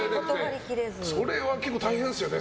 それは結構大変ですよね